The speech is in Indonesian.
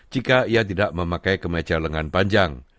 jika ia tidak memakai kemeja lengan panjang